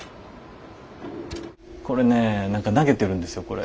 これね何か投げてるんですよこれ。